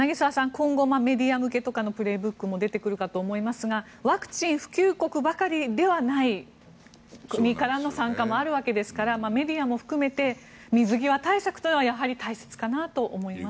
今後、メディア向けとかの「プレーブック」とかも出てくるかと思いますがワクチン普及国ばかりではない国からの参加もあるわけですからメディアも含めて水際対策というのはやはり大切かなと思います。